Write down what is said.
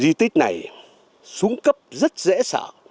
di tích này súng cấp rất dễ sợ